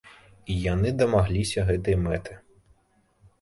І яны дамагліся гэтай мэты.